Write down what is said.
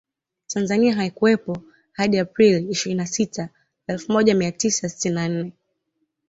Tanzania haikuwepo hadi Aprili ishirini na sita elfu moja mia tisa sitini na nne